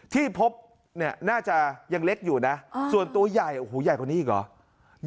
ที่พบเนี่ยน่าจะยังเล็กอยู่นะส่วนตัวใหญ่โอ้โหใหญ่กว่านี้อีกเหรอ